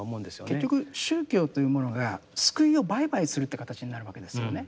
結局宗教というものが救いを売買するって形になるわけですよね。